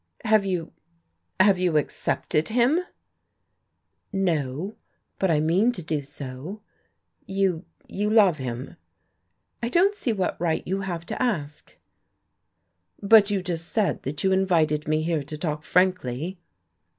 "Have you have you accepted him?" "No. But I mean to do so." "You you love him?" "I don't see what right you have to ask." "But you just said that you invited me here to talk frankly."